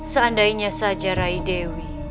seandainya saja ray dewi